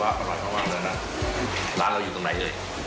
ร้านเราอยู่ตรงไหนเลย